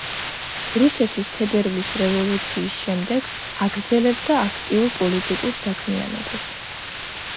რუსეთის თებერვლის რევოლუციის შემდეგ აგრძელებდა აქტიურ პოლიტიკურ საქმიანობას.